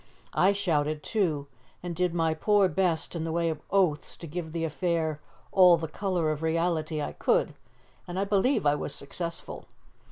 I shouted too, and did my poor best in the way of oaths to give the affair all the colour of reality I could, and I believe I was successful.